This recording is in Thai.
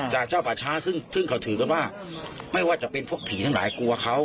จากเจ้าป่าช้าซึ่งเขาถือกันว่าไม่ว่าจะเป็นพวกผีทั้งหลายกลัวเขา